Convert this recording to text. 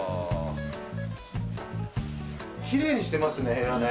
きれいにしてますね部屋ね。